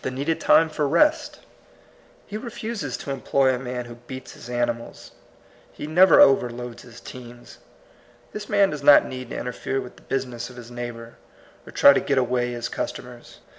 17 needed tiine for rest; he refuses to employ a man who beats his animals; he never overloads his teams. This man does not need to interfere with the business of his neighbor, or try to get away his customers.